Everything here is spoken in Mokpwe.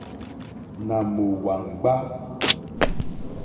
Nà mò wàŋɡbá.